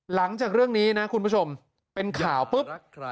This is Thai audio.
หลังจากเรื่องนี้นะคุณผู้ชมเป็นข่าวปุ๊บ